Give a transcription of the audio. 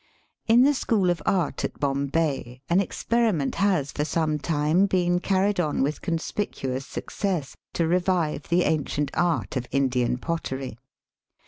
In the School of Art at Bombay an ex periment has for some time been carried on with conspicuous success to revive the ancient art of Indian pottery.